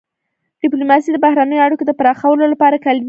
ډيپلوماسي د بهرنیو اړیکو د پراخولو لپاره کلیدي ده.